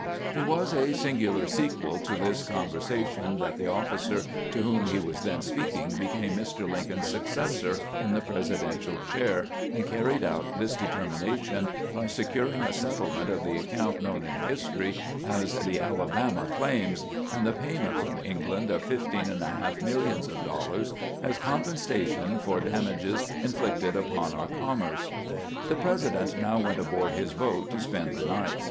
It was a singular sequel to this conversation that the officer to whom he was then speaking became Mr. Lin coln's successor in the Presidential chair, and carried out this determination by securing a settlement of the account known in history as the "Alabama claims," and the payment from England of fifteen and a half millions of dollars as compensation for damages inflicted upon our commerce. The President now went aboard his boat to spend the night.